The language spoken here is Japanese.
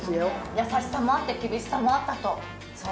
優しさもあって厳しさもあったと。